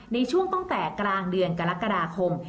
ในช่วงตั้งแต่กลางเดือนกรกฎาคม